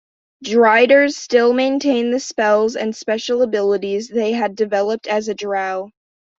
Driders still maintain the spells and special abilities they had developed as a drow.